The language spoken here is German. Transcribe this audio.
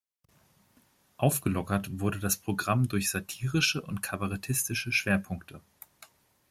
Aufgelockert wurde das Programm durch satirische und kabarettistische Schwerpunkte.